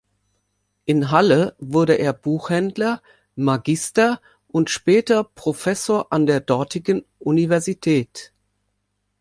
In Halle wurde er Buchhändler, Magister und später Professor an der dortigen Universität.